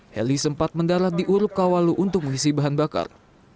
heli sempat mendarat di urup kawalu untuk mengisi bahan bakar